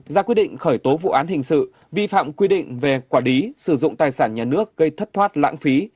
một giá quyết định khởi tố vụ án hình sự vi phạm quyết định về quả đí sử dụng tài sản nhà nước gây thất thoát lãng phí